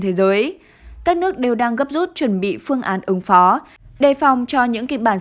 thế giới các nước đều đang gấp rút chuẩn bị phương án ứng phó đề phòng cho những kịch bản